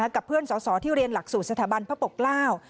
กับเพื่อนสอสอที่เรียนหลักสูตรสถาบันพระปกเกล้า